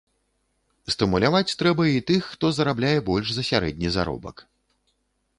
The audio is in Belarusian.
Стымуляваць трэба і тых, хто зарабляе больш за сярэдні заробак.